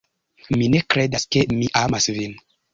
Mi ne kredas ke mi amas vin.